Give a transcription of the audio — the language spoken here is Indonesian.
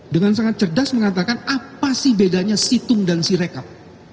dengan sangat cerdas mengatakan apa sih bedanya situng dan sirekap